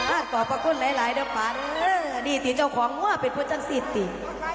อ่าก่อประคุณหลายหลายได้ความดีสินเกี่ยวขอหูหหน้าเป็นผู้จักรศิรติ